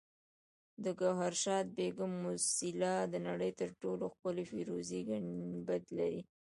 د ګوهرشاد بیګم موسیلا د نړۍ تر ټولو ښکلي فیروزي ګنبد لري